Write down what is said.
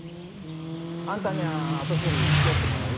あんたにゃ後処理つきあってもらうよ。